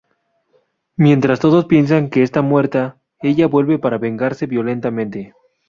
Mientras todos piensan que está muerta, ella vuelve para vengarse violentamente.